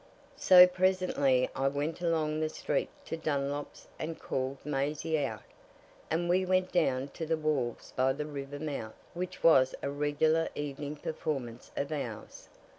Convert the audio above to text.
So presently I went along the street to Dunlop's and called Maisie out, and we went down to the walls by the river mouth, which was a regular evening performance of ours.